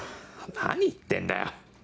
何言ってんだよ。